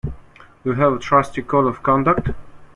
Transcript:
Do you have a trustee code of conduct?